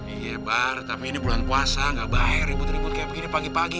iya bar tapi ini bulan puasa nggak baik ribut ribut kayak begini pagi pagi